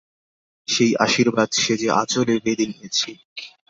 সেই আশীর্বাদ সে যে আঁচলে বেঁধে নিয়েছে।